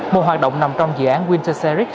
một hoạt động nằm trong dự án winter series